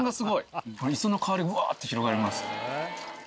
磯の香りうわって広がります。